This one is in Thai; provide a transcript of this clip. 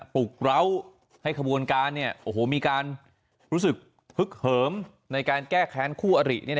ลุกร้าวให้ขบวนการมีการรู้สึกฮึกเหิมในการแก้แค้นคู่อริ